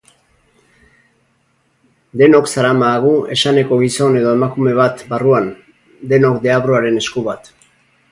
Denok zaramaagu esaneko gizon edo emakume bat barruan, denok deabruaren esku bat.